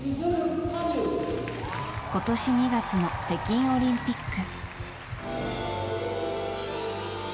今年２月の北京オリンピック。